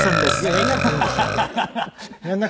やらなくていいんです。